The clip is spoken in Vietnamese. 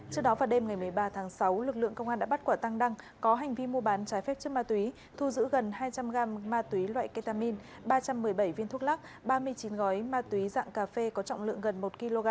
trước đó vào đêm ngày một mươi ba tháng sáu lực lượng công an đã bắt quả tăng đăng có hành vi mua bán trái phép chất ma túy thu giữ gần hai trăm linh g ma túy loại ketamine ba trăm một mươi bảy viên thuốc lắc ba mươi chín gói ma túy dạng cà phê có trọng lượng gần một kg